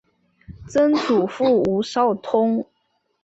曾祖父吴绍宗。